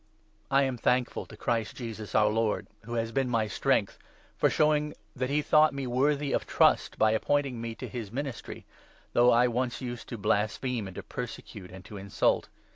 I am thankful to Christ Jesus, bur Lord, who 12 Thank'rtnness ^as ^een my strength, for showing that he thought for his* call me worthy of trust by appointing me to his to the ministry, though I once used to blaspheme, and to 13 netry. persecute, and to insult.